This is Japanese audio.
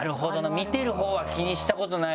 見てるほうは気にしたことないよね。